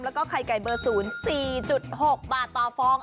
แล้วก็ไข่ไก่เบอร์๐๔๖บาทต่อฟอง